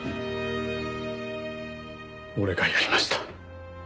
俺がやりました。